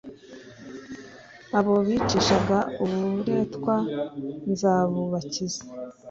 Abo bicishaga uburetwa nzabubakiza,